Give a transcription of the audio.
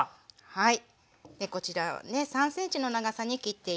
はい。